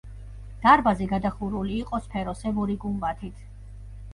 დარბაზი გადახურული იყო სფეროსებური გუმბათით.